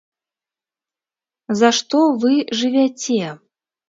За што вы жывяце?